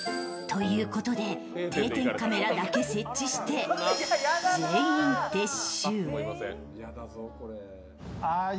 ということで定点カメラだけ設置して全員撤収。